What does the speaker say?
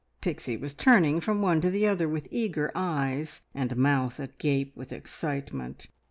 Pixie was turning from one to the other with eager eyes, and mouth agape with excitement.